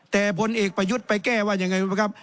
แต่ผลเอกประยุทธ์ไปแก้ว่ายังไงรู้ไหมครับ